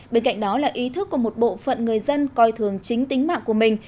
bên cạnh đó là ý thức của một bộ phận người dân coi thường chính tính mạng của mình